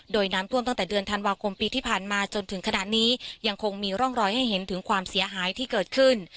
โดยน้ำท่วมตั้งแต่เดือนธันวาคมปีที่ผ่านมาจนถึงขณะนี้ยังคงมีร่องรอยให้เห็นถึงความเสียหายที่เกิดขึ้น